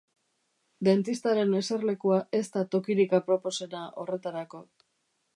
Dentistaren eserlekua ez da tokirik aproposena horretarako.